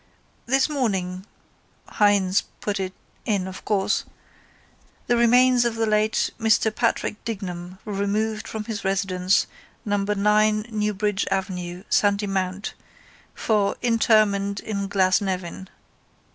—This morning (Hynes put it in of course) _the remains of the late Mr Patrick Dignam were removed from his residence, no 9 Newbridge Avenue, Sandymount, for interment in Glasnevin.